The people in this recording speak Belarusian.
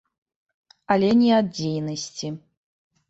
Але не ад дзейнасці.